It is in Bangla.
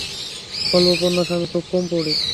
গল্প-উপন্যাস আমি খুব কম পড়ি।